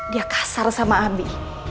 dia kasar sama abi